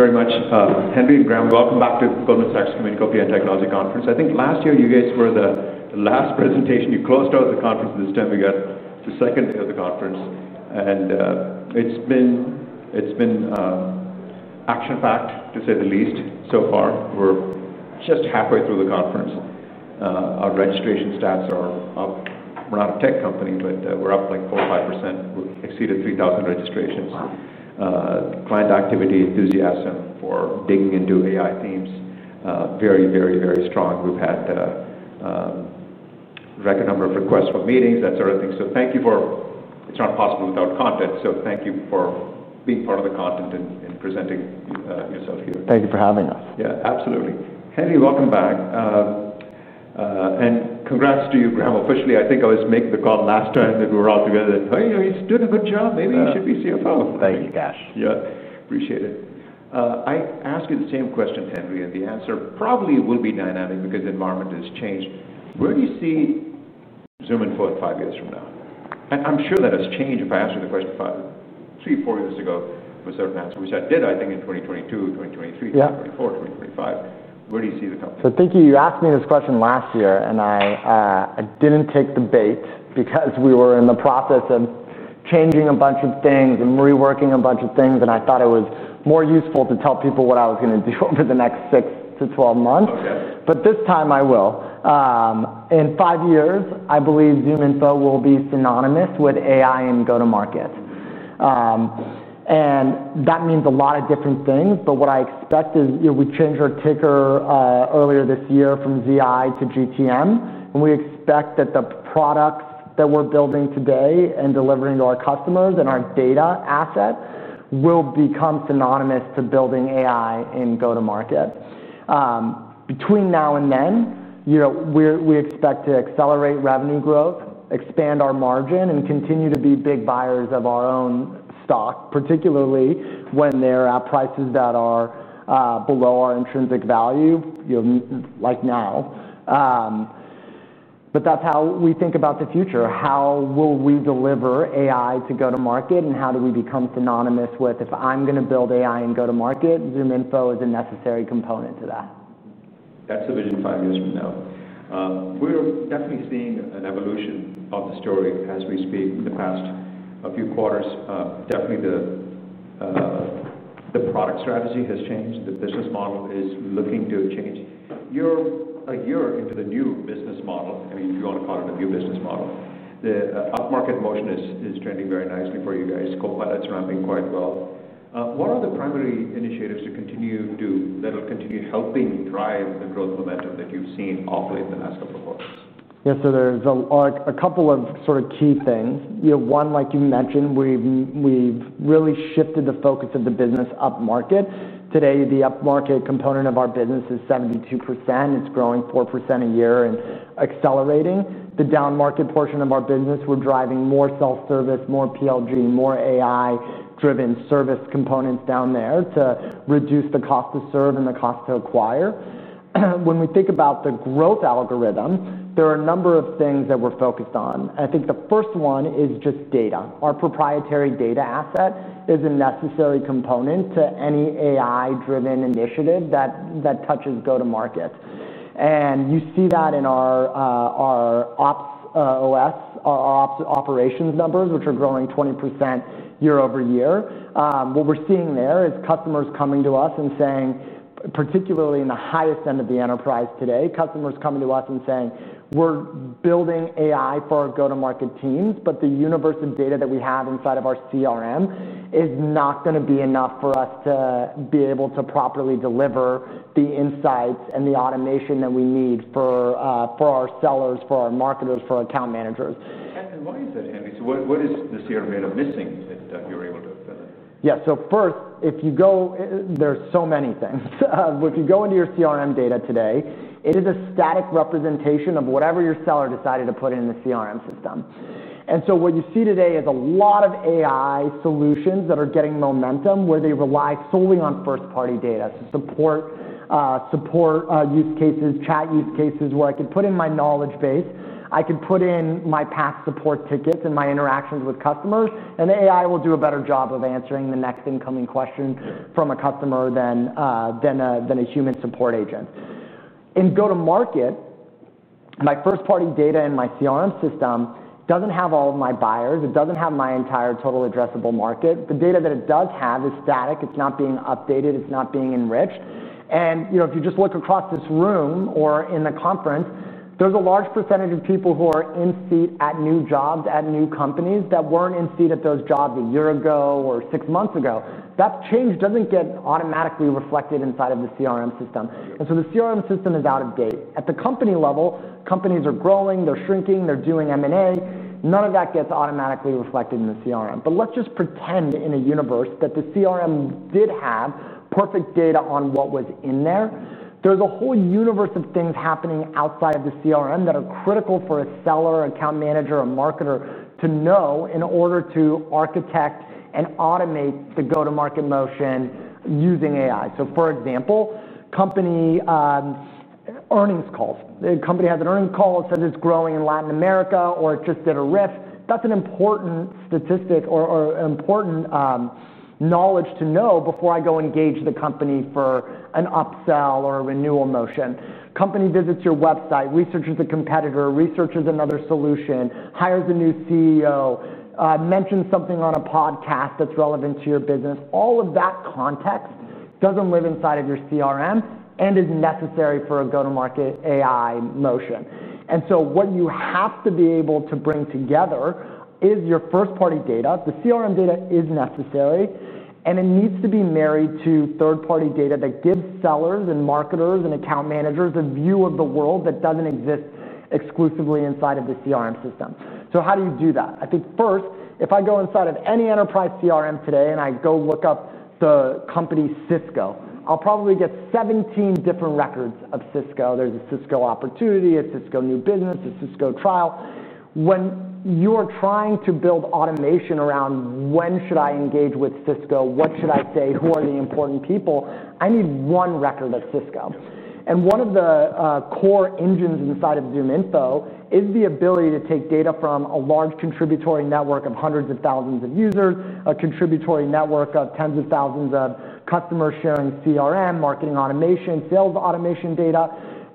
Thank you very much, Henry and Graham. Welcome back to the Government Staffs Community Coffee and Technology Conference. I think last year you guys were the last presentation. You closed out the conference, and this time we got to the second day of the conference. It's been action-packed, to say the least, so far. We're just halfway through the conference. Our registration stats are up. We're not a tech company, but we're up like 4% or 5%. We exceeded 3,000 registrations. Client activity, enthusiasm for digging into AI themes, very, very, very strong. We've had a record number of requests for meetings, that sort of thing. Thank you for—it's not possible without content. Thank you for being part of the content and presenting yourselves here. Thank you for having us. Yeah, absolutely. Henry, welcome back. Congrats to you, Graham, officially. I think I was making the call last time that we were all together, that, oh, you know, he's doing a good job. Maybe he should be CFO. Thank you, guys. Yeah, appreciate it. I asked you the same question, Henry, and the answer probably will be dynamic because the environment has changed. Where do you see ZoomInfo at five years from now? I'm sure that has changed if I asked you the question three, four years ago of a certain answer, which I did, I think, in 2022, 2023, 2024, 2025. Where do you see the company? Thank you. You asked me this question last year, and I didn't take the bait because we were in the process of changing a bunch of things and reworking a bunch of things. I thought it was more useful to tell people what I was going to do over the next six to twelve months. This time I will. In five years, I believe ZoomInfo will be synonymous with AI and go-to-market. That means a lot of different things. What I expect is, you know, we changed our ticker earlier this year from ZI to GTM. We expect that the products that we're building today and delivering to our customers and our data asset will become synonymous to building AI in go-to-market. Between now and then, we expect to accelerate revenue growth, expand our margin, and continue to be big buyers of our own stock, particularly when they're at prices that are below our intrinsic value, you know, like now. That's how we think about the future. How will we deliver AI to go-to-market? How do we become synonymous with, if I'm going to build AI in go-to-market, ZoomInfo is a necessary component to that. That's the vision five years from now. We're definitely seeing an evolution of the story as we speak. In the past few quarters, definitely the product strategy has changed. The business model is looking to change. You're a year into the new business model, if you want to call it a new business model. The upmarket motion is trending very nicely for you guys. ZoomInfo Copilot's ramping quite well. What are the primary initiatives to continue to do that will continue helping drive the growth momentum that you've seen off late in the last couple of quarters? Yeah, so there's a couple of sort of key things. You know, one, like you mentioned, we've really shifted the focus of the business upmarket. Today, the upmarket component of our business is 72%. It's growing 4% a year and accelerating. The downmarket portion of our business, we're driving more self-service, more PLG, more AI-driven service components down there to reduce the cost to serve and the cost to acquire. When we think about the growth algorithm, there are a number of things that we're focused on. I think the first one is just data. Our proprietary data asset is a necessary component to any AI-driven initiative that touches go-to-market. You see that in our Ops OS, our operations numbers, which are growing 20% year over year. What we're seeing there is customers coming to us and saying, particularly in the highest end of the enterprise today, customers coming to us and saying, we're building AI for our go-to-market teams, but the universe of data that we have inside of our CRM is not going to be enough for us to be able to properly deliver the insights and the automation that we need for our sellers, for our marketers, for our account managers. Why is that, Henry? What is the CRM data missing that you're able to fill in? Yeah, so first, if you go, there's so many things. If you go into your CRM data today, it is a static representation of whatever your seller decided to put in the CRM system. What you see today is a lot of AI solutions that are getting momentum where they rely solely on first-party data. Support use cases, chat use cases where I could put in my knowledge base, I could put in my past support tickets and my interactions with customers, and the AI will do a better job of answering the next incoming question from a customer than a human support agent. In go-to-market, my first-party data in my CRM system doesn't have all of my buyers. It doesn't have my entire total addressable market. The data that it does have is static. It's not being updated. It's not being enriched. If you just look across this room or in the conference, there's a large percentage of people who are in seat at new jobs, at new companies that weren't in seat at those jobs a year ago or six months ago. That change doesn't get automatically reflected inside of the CRM system. The CRM system is out of date. At the company level, companies are growing, they're shrinking, they're doing M&A. None of that gets automatically reflected in the CRM. Let's just pretend in a universe that the CRM did have perfect data on what was in there. There's a whole universe of things happening outside of the CRM that are critical for its seller, account manager, or marketer to know in order to architect and automate the go-to-market motion using AI. For example, company earnings calls. The company has an earnings call that says it's growing in Latin America, or it just did a RIF. That's an important statistic or important knowledge to know before I go engage the company for an upsell or a renewal motion. Company visits your website, researches the competitor, researches another solution, hires a new CEO, mentions something on a podcast that's relevant to your business. All of that context doesn't live inside of your CRM and is necessary for a go-to-market AI motion. What you have to be able to bring together is your first-party data. The CRM data is necessary, and it needs to be married to third-party data that gives sellers and marketers and account managers a view of the world that doesn't exist exclusively inside of the CRM system. How do you do that? I think first, if I go inside of any enterprise CRM today and I go look up the company Cisco, I'll probably get 17 different records of Cisco. There's a Cisco opportunity, a Cisco new business, a Cisco trial. When you are trying to build automation around when should I engage with Cisco, what should I say, who are the important people, I need one record of Cisco. One of the core engines inside of ZoomInfo is the ability to take data from a large contributory network of hundreds of thousands of users, a contributory network of tens of thousands of customers sharing CRM, marketing automation, sales automation data,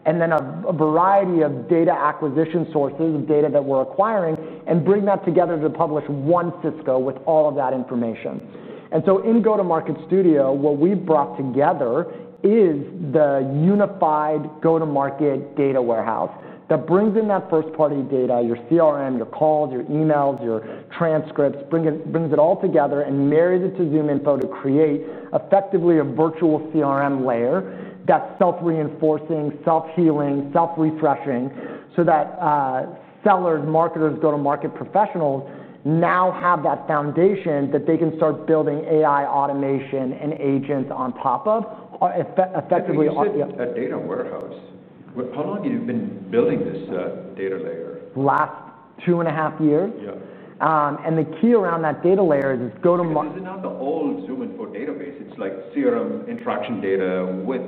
and then a variety of data acquisition sources, data that we're acquiring, and bring that together to publish one Cisco with all of that information. In Go-To-Market Studio, what we've brought together is the unified go-to-market data warehouse that brings in that first-party data, your CRM, your calls, your emails, your transcripts, brings it all together and marries it to ZoomInfo to create effectively a virtual CRM layer that's self-reinforcing, self-healing, self-refreshing so that sellers, marketers, go-to-market professionals now have that foundation that they can start building AI automation and agents on top of, effectively. A data warehouse. How long have you been building this data layer? The last two and a half years. Yeah, and the key around that data layer is it's go-to-market. Is it not the old ZoomInfo database? It's like CRM interaction data with.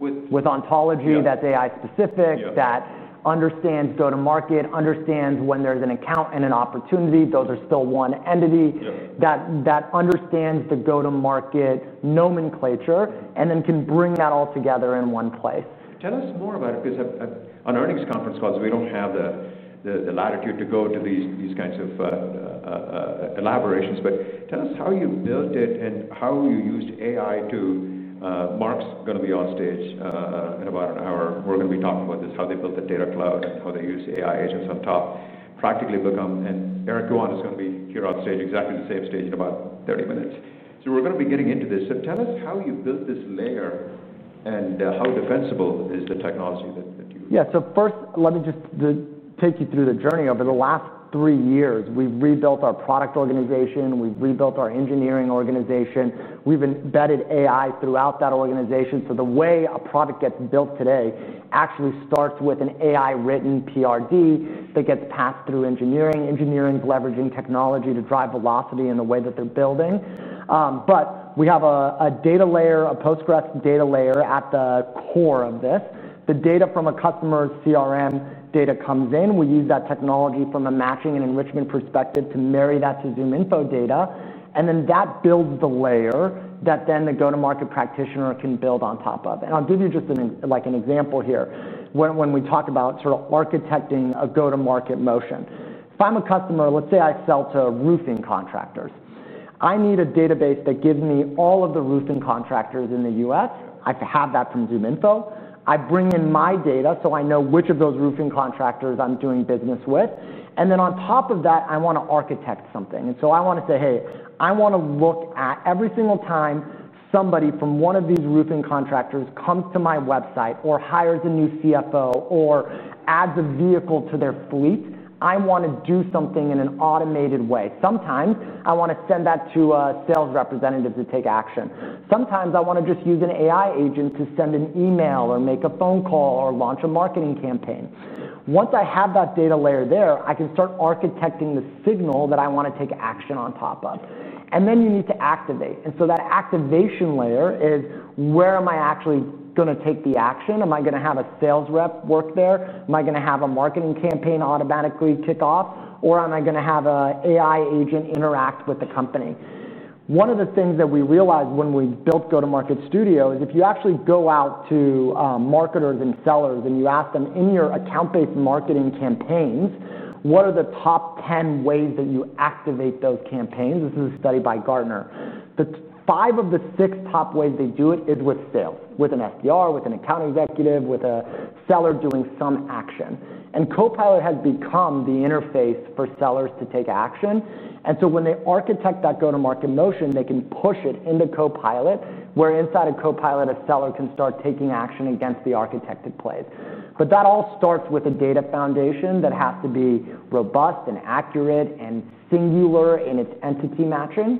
With ontology that's AI-specific, that understands go-to-market, understands when there's an account and an opportunity, those are still one entity, that understands the go-to-market nomenclature, and then can bring that all together in one place. Tell us more about it because on earnings conference calls, we don't have the latitude to go to these kinds of elaborations. Tell us how you built it and how you used AI to. Mark's going to be on stage in about an hour. We're going to be talking about this, how they built the Terra Cloud and how they use AI agents on top, practically become, and Eric Yuan is going to be here on stage, exactly the same stage in about 30 minutes. We're going to be getting into this. Tell us how you built this layer and how defensible is the technology that you. First, let me just take you through the journey over the last three years. We've rebuilt our product organization. We've rebuilt our engineering organization. We've embedded AI throughout that organization. The way a product gets built today actually starts with an AI-written PRD that gets passed through engineering. Engineering's leveraging technology to drive velocity in the way that they're building. We have a data layer, a Postgres data layer at the core of this. The data from a customer's CRM data comes in. We use that technology from a matching and enrichment perspective to marry that to ZoomInfo data. That builds the layer that the go-to-market practitioner can build on top of. I'll give you just an example here when we talk about architecting a go-to-market motion. If I'm a customer, let's say I sell to roofing contractors. I need a database that gives me all of the roofing contractors in the U.S. I have to have that from ZoomInfo. I bring in my data so I know which of those roofing contractors I'm doing business with. On top of that, I want to architect something. I want to say, hey, I want to look at every single time somebody from one of these roofing contractors comes to my website or hires a new CFO or adds a vehicle to their fleet, I want to do something in an automated way. Sometimes I want to send that to a sales representative to take action. Sometimes I want to just use an AI agent to send an email or make a phone call or launch a marketing campaign. Once I have that data layer there, I can start architecting the signal that I want to take action on top of. You need to activate. That activation layer is where am I actually going to take the action? Am I going to have a sales rep work there? Am I going to have a marketing campaign automatically kick off? Am I going to have an AI agent interact with the company? One of the things that we realized when we built Go-To-Market Studio is if you actually go out to marketers and sellers and you ask them in your account-based marketing campaigns, what are the top 10 ways that you activate those campaigns? This is a study by Gartner. Five of the six top ways they do it is with sales, with an SDR, with an account executive, with a seller doing some action. Copilot has become the interface for sellers to take action. When they architect that go-to-market motion, they can push it into ZoomInfo Copilot, where inside of ZoomInfo Copilot, a seller can start taking action against the architected plays. That all starts with a data foundation that has to be robust, accurate, and singular in its entity matching.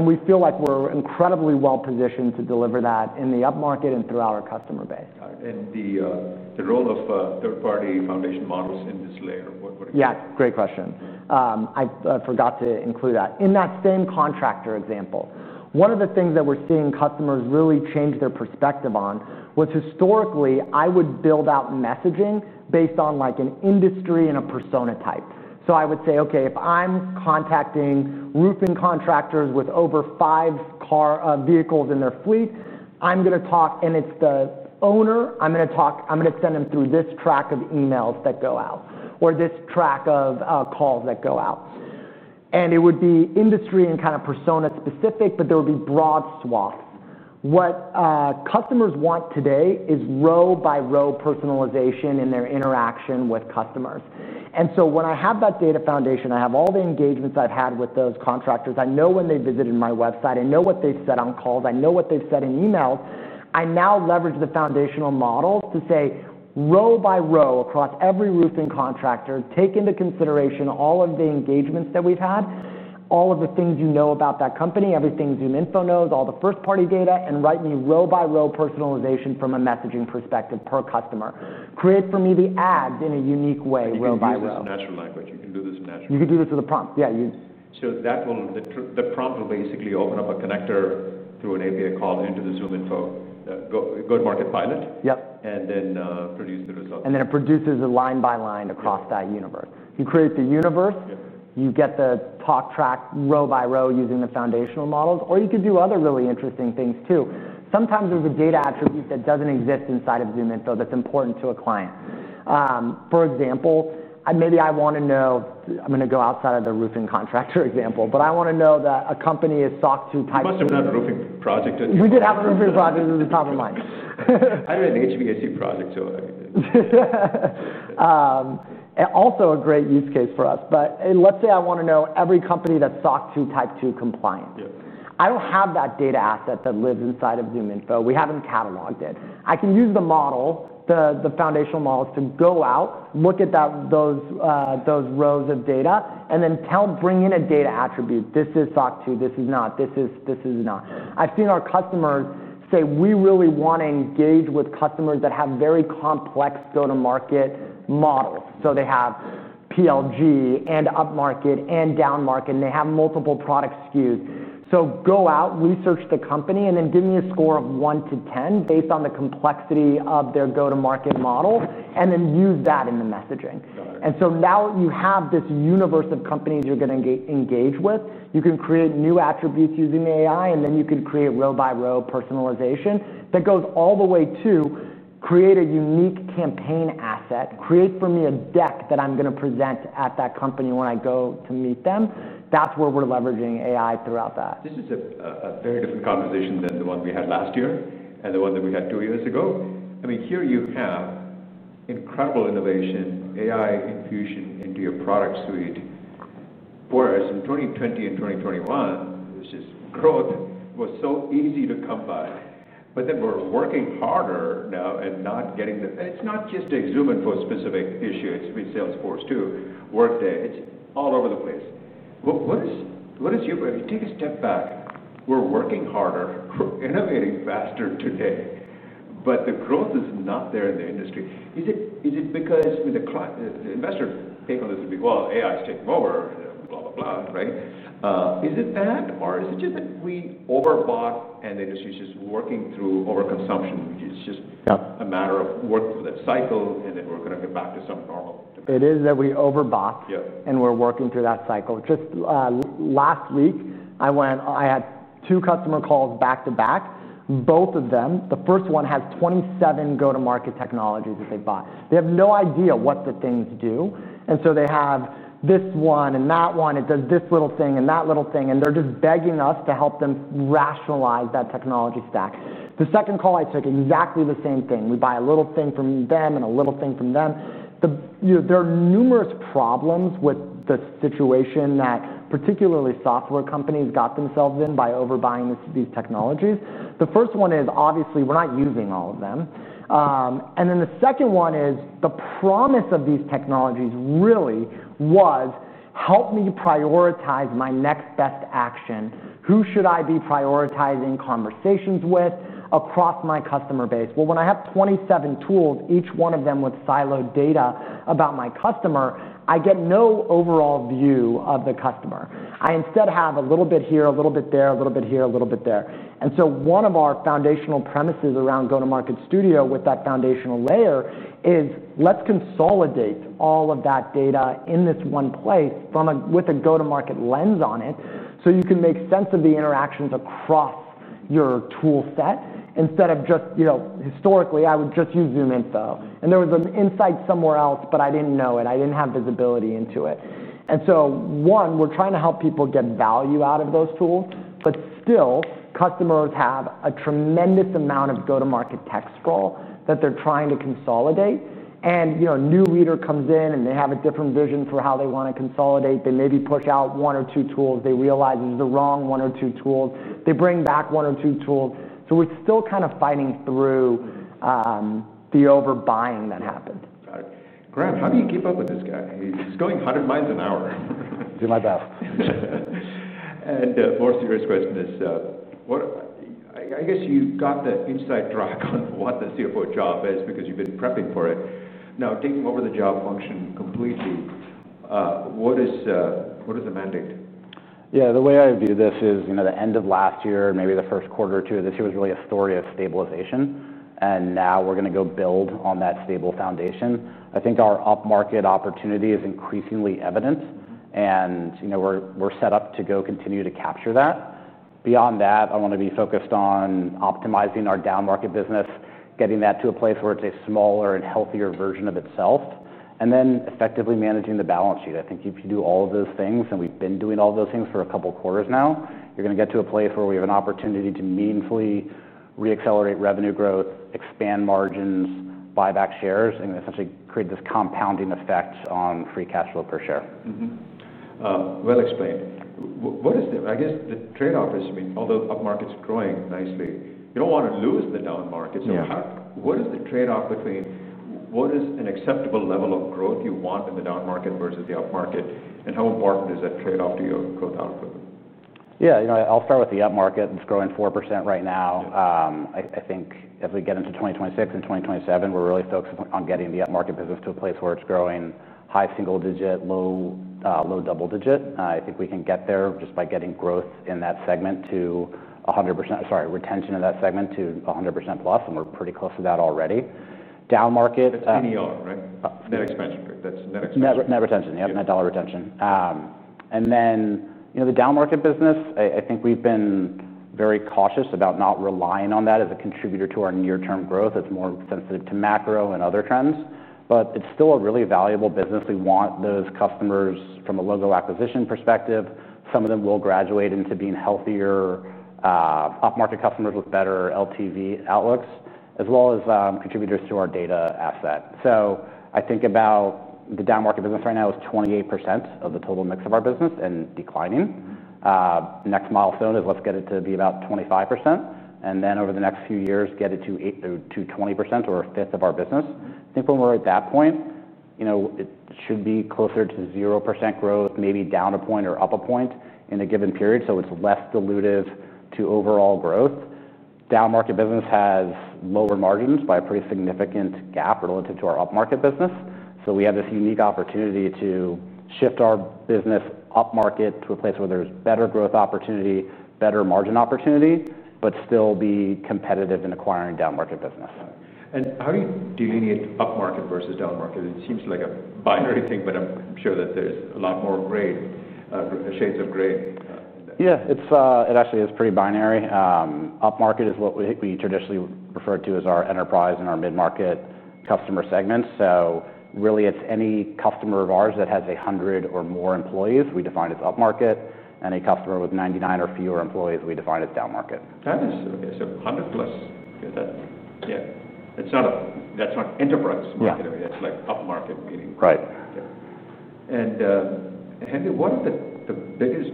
We feel like we're incredibly well positioned to deliver that in the upmarket and throughout our customer base. What do you think about the role of third-party foundation models in this layer? Yeah, great question. I forgot to include that. In that same contractor example, one of the things that we're seeing customers really change their perspective on was historically, I would build out messaging based on like an industry and a persona type. I would say, OK, if I'm contacting roofing contractors with over five car vehicles in their fleet, I'm going to talk, and it's the owner, I'm going to talk, I'm going to send them through this track of emails that go out, or this track of calls that go out. It would be industry and kind of persona-specific, but there would be broad swath. What customers want today is row-by-row personalization in their interaction with customers. When I have that data foundation, I have all the engagements I've had with those contractors. I know when they visited my website. I know what they've said on calls. I know what they've said in emails. I now leverage the foundational models to say, row by row, across every roofing contractor, take into consideration all of the engagements that we've had, all of the things you know about that company, everything ZoomInfo knows, all the first-party data, and write me row-by-row personalization from a messaging perspective per customer. Create for me the ad in a unique way, row by row. You can do this in natural language. You can do this in natural. You can do this with a prompt. The prompt will basically open up a connector through an API call into the ZoomInfo Go-To-Market Studio. Yep. Produce the results. It produces it line by line across that universe. You create the universe. You get the talk track row by row using the foundational models. You could do other really interesting things, too. Sometimes there's a data attribute that doesn't exist inside of ZoomInfo that's important to a client. For example, maybe I want to know, I'm going to go outside of the roofing contractor example, but I want to know that a company is SOC 2 type. You must have done a roofing project. We did have a roofing project. It was top of mind. I did an HVAC project. Also a great use case for us. Let's say I want to know every company that's SOC 2 Type 2 compliant. I don't have that data asset that lives inside of ZoomInfo. We haven't cataloged it. I can use the model, the foundational model, to go out, look at those rows of data, and then bring in a data attribute. This is SOC 2. This is not. This is not. I've seen our customers say, we really want to engage with customers that have very complex go-to-market models. They have PLG and upmarket and downmarket, and they have multiple product SKUs. Go out, research the company, and then give me a score of 1 to 10 based on the complexity of their go-to-market model, and then use that in the messaging. Now you have this universe of companies you're going to engage with. You can create new attributes using the AI, and then you can create row-by-row personalization that goes all the way to create a unique campaign asset, create for me a deck that I'm going to present at that company when I go to meet them. That's where we're leveraging AI throughout that. This is a very different conversation than the one we had last year and the one that we had two years ago. I mean, here you have incredible innovation, AI infusion into your product suite, whereas in 2020 and 2021, it was just growth. It was so easy to come by. We're working harder now and not getting the—and it's not just a ZoomInfo specific issue. It's been Salesforce too, Workday. It's all over the place. What is your—you take a step back. We're working harder, we're innovating faster today, but the growth is not there in the industry. Is it because the investors think a little bit of AI is taking over, right? Is it that, or is it just that we overbought and the industry is just working through overconsumption? It's just a matter of working through that cycle, and then we're going to get back to some normal? It is that we overbought, and we're working through that cycle. Just last week, I went, I had two customer calls back to back. Both of them, the first one has 27 go-to-market technologies that they've bought. They have no idea what the things do. They have this one and that one. It does this little thing and that little thing. They're just begging us to help them rationalize that technology stack. The second call I took, exactly the same thing. We buy a little thing from them and a little thing from them. There are numerous problems with the situation that particularly software companies got themselves in by overbuying these technologies. The first one is, obviously, we're not using all of them. The second one is the promise of these technologies really was, help me prioritize my next best action. Who should I be prioritizing conversations with across my customer base? When I have 27 tools, each one of them with siloed data about my customer, I get no overall view of the customer. I instead have a little bit here, a little bit there, a little bit here, a little bit there. One of our foundational premises around Go-To-Market Studio with that foundational layer is, let's consolidate all of that data in this one place with a go-to-market lens on it so you can make sense of the interactions across your tool set. Historically, I would just use ZoomInfo. There was an insight somewhere else, but I didn't know it. I didn't have visibility into it. We're trying to help people get value out of those tools. Still, customers have a tremendous amount of go-to-market tech sprawl that they're trying to consolidate. A new leader comes in and they have a different vision for how they want to consolidate. They maybe push out one or two tools. They realize the wrong one or two tools. They bring back one or two tools. We're still kind of fighting through the overbuying that happened. Got it. Graham, how do you keep up with this guy? He's going 100 miles an hour. Do my best. Of course, the first question is, I guess you got the inside draft on what the CFO job is because you've been prepping for it. Now, taking over the job function completely, what is the mandate? Yeah, the way I view this is, you know, the end of last year, maybe the first quarter or two of this year was really a story of stabilization. Now we're going to go build on that stable foundation. I think our upmarket opportunity is increasingly evident, and we're set up to go continue to capture that. Beyond that, I want to be focused on optimizing our downmarket business, getting that to a place where it's a smaller and healthier version of itself, and then effectively managing the balance sheet. I think if you do all of those things, and we've been doing all of those things for a couple of quarters now, you're going to get to a place where we have an opportunity to meaningfully re-accelerate revenue growth, expand margins, buy back shares, and essentially create this compounding effect on free cash flow per share. What is the, I guess, the trade-off is, I mean, although upmarket is growing nicely, you don't want to lose the downmarket. What is the trade-off between what is an acceptable level of growth you want in the downmarket versus the upmarket? How important is that trade-off to your go-to-market? Yeah, you know, I'll start with the upmarket. It's growing 4% right now. I think as we get into 2026 and 2027, we're really focused on getting the upmarket business to a place where it's growing high single digit, low double digit. I think we can get there just by getting growth in that segment to 100%, sorry, retention in that segment to 100% plus. We're pretty close to that already. Downmarket. NER, right? Net expense ratio. Net retention, yeah, net dollar retention. The downmarket business, I think we've been very cautious about not relying on that as a contributor to our near-term growth. It's more sensitive to macro and other trends. It's still a really valuable business. We want those customers from a logo acquisition perspective. Some of them will graduate into being healthier upmarket customers with better LTV outlooks, as well as contributors to our data asset. I think about the downmarket business right now as 28% of the total mix of our business and declining. Next milestone is let's get it to be about 25%. Over the next few years, get it to 20% or a fifth of our business. I think when we're at that point, it should be closer to 0% growth, maybe down a point or up a point in a given period. It's less dilutive to overall growth. Downmarket business has lower margins by a pretty significant gap relative to our upmarket business. We have this unique opportunity to shift our business upmarket to a place where there's better growth opportunity, better margin opportunity, but still be competitive in acquiring downmarket business. How do you delineate upmarket versus downmarket? It seems like a binary thing, but I'm sure that there's a lot more shades of gray. Yeah, it actually is pretty binary. Upmarket is what we traditionally refer to as our enterprise and our mid-market customer segments. It is any customer of ours that has 100 or more employees. We define it as upmarket. Any customer with 99 or fewer employees, we define it as downmarket. That is, so 100 plus. Yeah, that's not enterprise market. I mean, that's like upmarket meaning. Right. Yeah. Henry, what are the biggest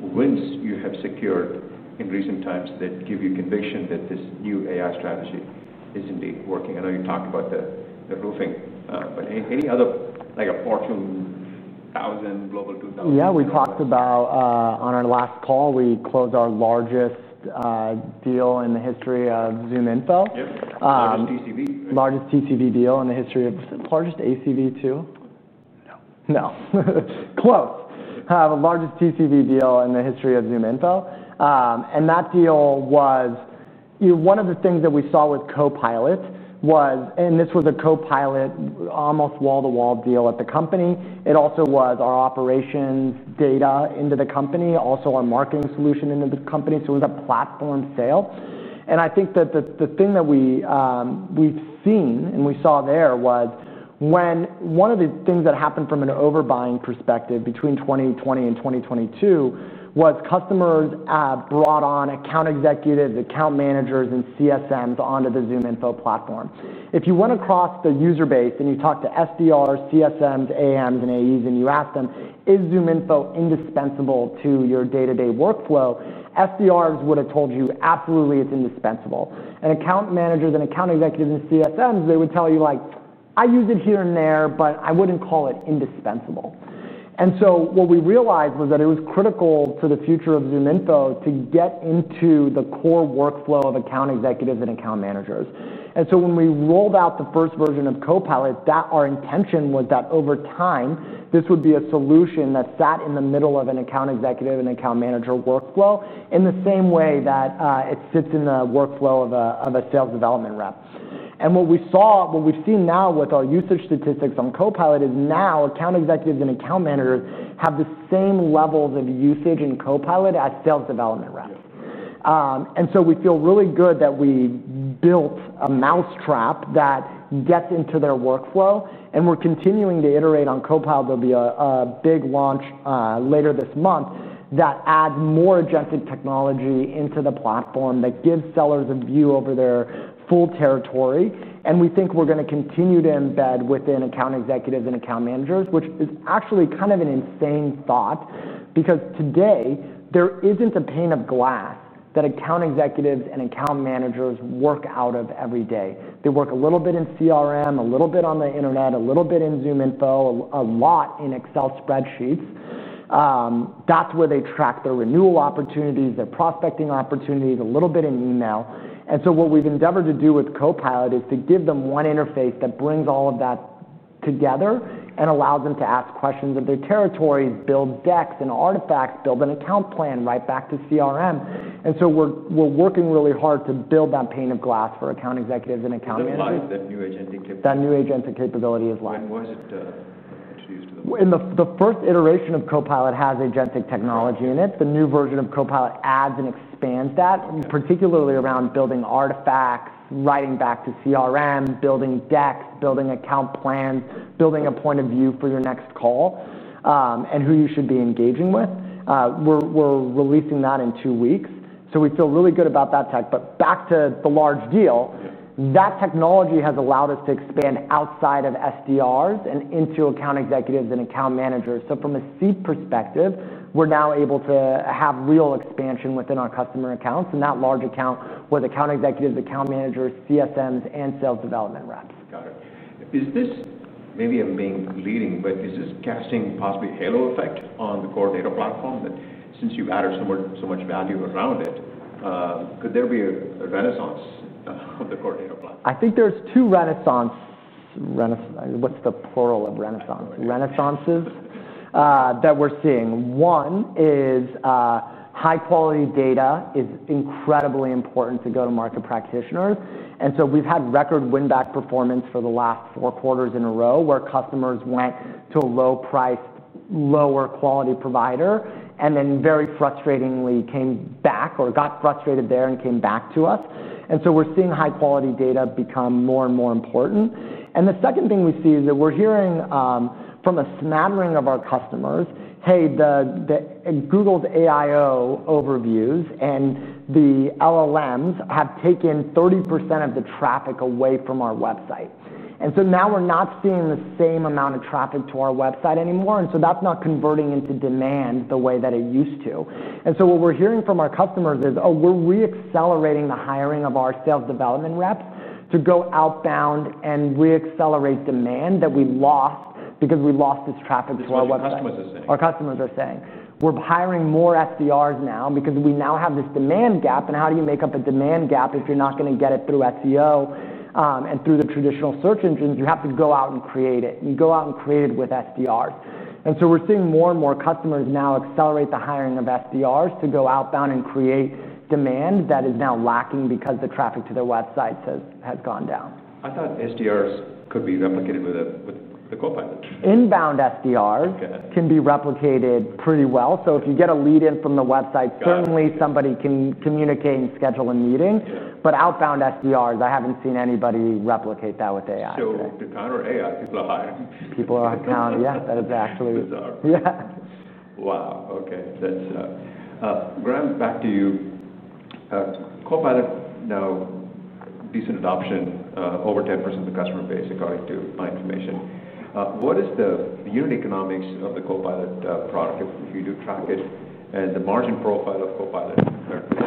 wins you have secured in recent times that give you conviction that this new AI strategy is indeed working? I know you talked about the roofing, but any other, like a Fortune 1000, Global 2000? Yeah, we talked about on our last call, we closed our largest deal in the history of ZoomInfo. Yeah, largest TCV. Largest TCV deal in the history of, largest ACV too. No, close. Have the largest TCV deal in the history of ZoomInfo. That deal was, you know, one of the things that we saw with ZoomInfo Copilot was, and this was a Copilot almost wall-to-wall deal at the company. It also was our operations data into the company, also our marketing solution into the company. It was a platform sale. I think that the thing that we've seen and we saw there was when one of the things that happened from an overbuying perspective between 2020 and 2022 was customers brought on account executives, account managers, and CSMs onto the ZoomInfo platform. If you went across the user base and you talked to SDRs, CSMs, AMs, and AEs, and you asked them, is ZoomInfo indispensable to your day-to-day workflow? SDRs would have told you, absolutely, it's indispensable. Account managers and account executives and CSMs, they would tell you, like, I use it here and there, but I wouldn't call it indispensable. What we realized was that it was critical to the future of ZoomInfo to get into the core workflow of account executives and account managers. When we rolled out the first version of ZoomInfo Copilot, our intention was that over time, this would be a solution that sat in the middle of an account executive and account manager workflow in the same way that it sits in the workflow of a sales development rep. What we saw, what we've seen now with our usage statistics on Copilot is now account executives and account managers have the same levels of usage in Copilot as sales development reps. We feel really good that we built a mousetrap that gets into their workflow. We're continuing to iterate on Copilot. There will be a big launch later this month that adds more agentic technology into the platform that gives sellers a view over their full territory. We think we're going to continue to embed within account executives and account managers, which is actually kind of an insane thought because today there isn't a pane of glass that account executives and account managers work out of every day. They work a little bit in CRM, a little bit on the internet, a little bit in ZoomInfo, a lot in Excel spreadsheets. That's where they track their renewal opportunities, their prospecting opportunities, a little bit in email. What we've endeavored to do with Copilot is to give them one interface that brings all of that together and allows them to ask questions of their territories, build decks and artifacts, build an account plan, write back to CRM. We're working really hard to build that pane of glass for account executives and account managers. Why is that new agentic capability? That new agentic capability is why. Why is it so used to the? The first iteration of ZoomInfo Copilot has agentic technology in it. The new version of ZoomInfo Copilot adds and expands that, particularly around building artifacts, writing back to CRM, building decks, building account plans, building a point of view for your next call, and who you should be engaging with. We're releasing that in two weeks. We feel really good about that tech. Back to the large deal, that technology has allowed us to expand outside of sales development reps and into account executives and account managers. From a seat perspective, we're now able to have real expansion within our customer accounts. That large account was account executives, account managers, customer success managers, and sales development reps. Got it. Is this, maybe I'm being leading, but is this casting possibly a halo effect on the core data platform that since you've added so much value around it, could there be a renaissance of the core data platform? I think there's two renaissances that we're seeing. One is high-quality data is incredibly important to go-to-market practitioners. We've had record win-back performance for the last four quarters in a row where customers went to a low-priced, lower-quality provider and then very frustratingly came back or got frustrated there and came back to us. We're seeing high-quality data become more and more important. The second thing we see is that we're hearing from a smattering of our customers, hey, the Google AI overviews and the LLMs have taken 30% of the traffic away from our website. We're not seeing the same amount of traffic to our website anymore. That's not converting into demand the way that it used to. What we're hearing from our customers is, oh, we're re-accelerating the hiring of our sales development reps to go outbound and re-accelerate demand that we lost because we lost this traffic to our website. That's what our customers are saying. Our customers are saying, we're hiring more SDRs now because we now have this demand gap. How do you make up a demand gap if you're not going to get it through SEO and through the traditional search engines? You have to go out and create it. You go out and create it with SDRs. We're seeing more and more customers now accelerate the hiring of SDRs to go outbound and create demand that is now lacking because the traffic to their websites has gone down. I thought SDRs could be replicated with the ZoomInfo Copilot. Inbound SDRs can be replicated pretty well. If you get a lead-in from the website, certainly somebody can communicate and schedule a meeting. Outbound SDRs, I haven't seen anybody replicate that with AI. Account or AI? People are hiring. People are account, yeah. That is actually. Yeah. Wow. OK, that's Graham, back to you. Copilot, now decent adoption, over 10% of the customer base, according to my information. What is the unit economics of the Copilot product if you do track it and the margin profile of Copilot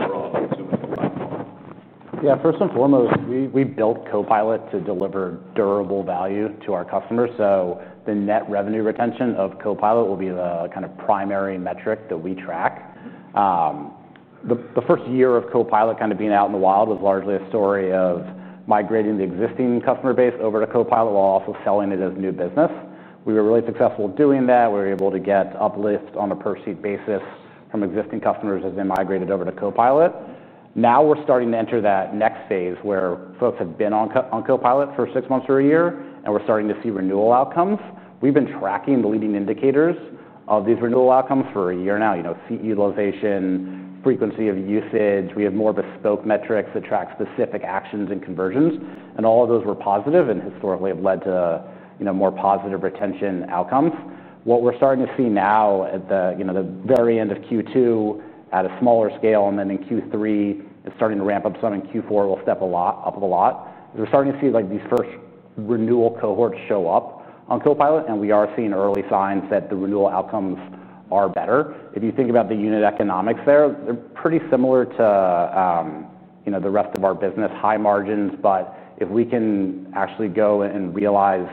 overall? Yeah, first and foremost, we built Copilot to deliver durable value to our customers. The net revenue retention of Copilot will be the kind of primary metric that we track. The first year of Copilot being out in the wild was largely a story of migrating the existing customer base over to Copilot while also selling it as new business. We were really successful doing that. We were able to get uplifts on a per-seat basis from existing customers as they migrated over to Copilot. Now we're starting to enter that next phase where folks have been on Copilot for six months or a year, and we're starting to see renewal outcomes. We've been tracking the leading indicators of these renewal outcomes for a year now, seat utilization, frequency of usage. We have more bespoke metrics that track specific actions and conversions. All of those were positive and historically have led to more positive retention outcomes. What we're starting to see now at the very end of Q2 at a smaller scale, and then in Q3, it's starting to ramp up some, and Q4 will step up a lot. We're starting to see these first renewal cohorts show up on Copilot, and we are seeing early signs that the renewal outcomes are better. If you think about the unit economics there, they're pretty similar to the rest of our business, high margins. If we can actually go and realize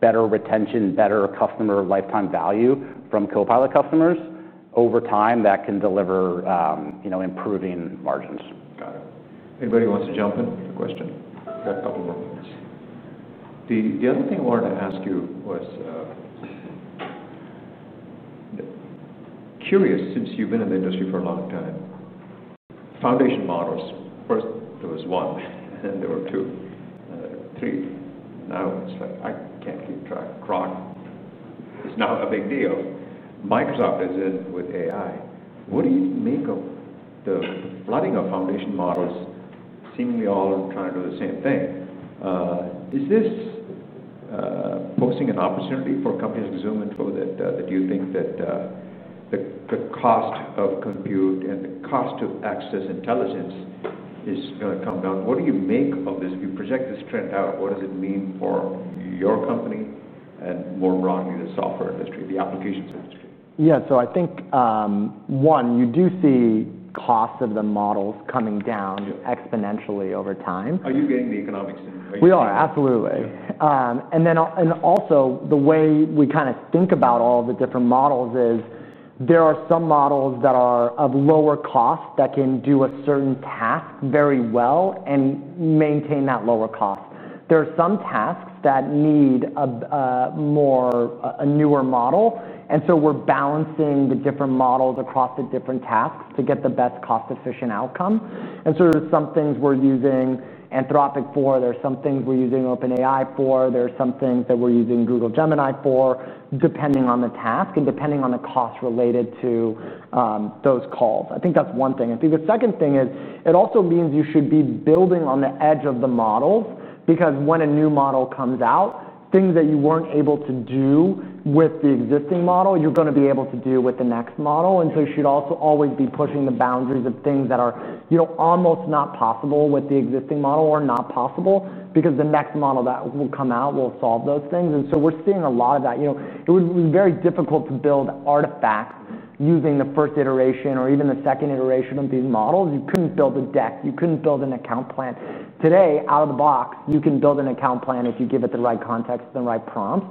better retention, better customer lifetime value from Copilot customers over time, that can deliver improving margins. Got it. Anybody wants to jump in with a question? We've got a couple more minutes. The other thing I wanted to ask you was, curious, since you've been in the industry for a long time, foundation models. First, there was one, and then there were two, three. Now it's like I can't keep track. CROT is now a big deal. Microsoft is in with AI. What do you make of the flooding of foundation models, seemingly all trying to do the same thing? Is this focusing an opportunity for companies like ZoomInfo that you think that the cost of compute and the cost of access intelligence is going to come down? What do you make of this? If you project this trend out, what does it mean for your company and more broadly the software industry, the applications? Yeah, I think, one, you do see cost of the models coming down exponentially over time. Are you getting the economics? We are, absolutely. The way we kind of think about all of the different models is there are some models that are of lower cost that can do a certain task very well and maintain that lower cost. There are some tasks that need a newer model. We're balancing the different models across the different tasks to get the best cost-efficient outcome. There are some things we're using Anthropic for. There are some things we're using OpenAI for. There are some things that we're using Google Gemini for, depending on the task and depending on the cost related to those calls. I think that's one thing. The second thing is it also means you should be building on the edge of the models because when a new model comes out, things that you weren't able to do with the existing model, you're going to be able to do with the next model. You should also always be pushing the boundaries of things that are, you know, almost not possible with the existing model or not possible because the next model that will come out will solve those things. We're seeing a lot of that. It was very difficult to build artifacts using the first iteration or even the second iteration of these models. You couldn't build a deck. You couldn't build an account plan. Today, out of the box, you can build an account plan if you give it the right context and the right prompt.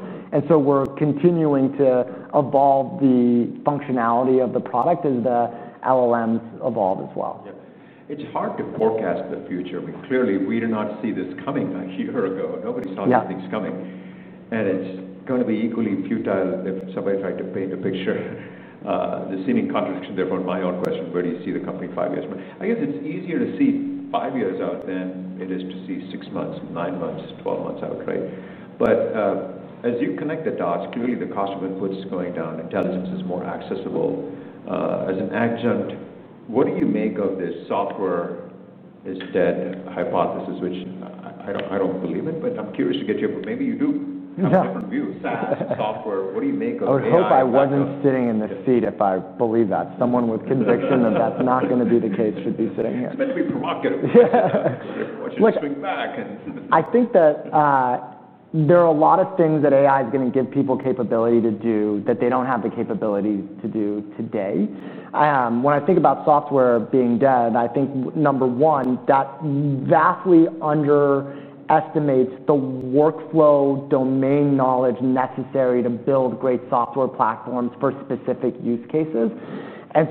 We're continuing to evolve the functionality of the product as the LLMs evolve as well. Yeah, it's hard to forecast the future. I mean, clearly, we did not see this coming a year ago. Nobody saw these things coming. It's going to be equally futile if somebody tried to paint a picture. The seeming contradiction therefore might be your question. Where do you see the company five years from now? I guess it's easier to see five years out than it is to see six months, nine months, 12 months, I would trade. As you connect the dots, clearly the cost of inputs is going down. Intelligence is more accessible. As an adjunct, what do you make of this software is dead hypothesis, which I don't believe in, but I'm curious to get your, but maybe you do. Yeah. Software. What do you make of it? I hope I wasn't sitting in this seat if I believe that. Someone with conviction that that's not going to be the case should be sitting here. It's meant to be provocative. Yeah. Swing back in. I think that there are a lot of things that AI is going to give people capability to do that they don't have the capability to do today. When I think about software being dead, I think number one, that vastly underestimates the workflow domain knowledge necessary to build great software platforms for specific use cases.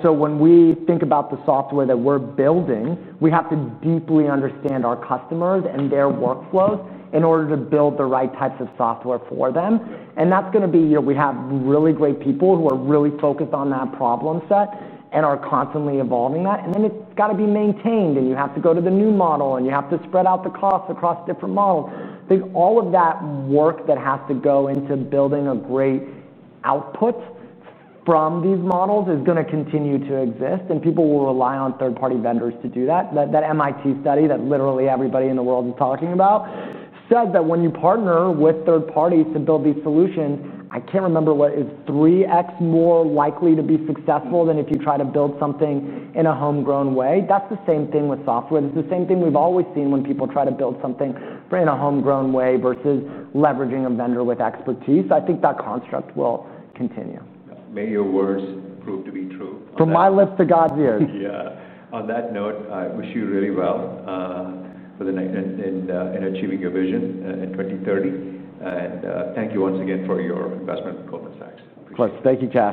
When we think about the software that we're building, we have to deeply understand our customers and their workflows in order to build the right types of software for them. That's going to be, you know, we have really great people who are really focused on that problem set and are constantly evolving that. It's got to be maintained. You have to go to the new model, and you have to spread out the costs across different models. I think all of that work that has to go into building a great output from these models is going to continue to exist. People will rely on third-party vendors to do that. That MIT study that literally everybody in the world is talking about said that when you partner with third parties to build these solutions, I can't remember what is 3x more likely to be successful than if you try to build something in a homegrown way. That's the same thing with software. It's the same thing we've always seen when people try to build something in a homegrown way versus leveraging a vendor with expertise. I think that construct will continue. May your words prove to be true. From my lips to God's ears. Yeah. On that note, I wish you really well in achieving your vision in 2030. Thank you once again for your investment in Goldman Sachs. Of course. Thank you, Chris.